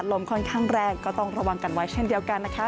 ลมค่อนข้างแรงก็ต้องระวังกันไว้เช่นเดียวกันนะคะ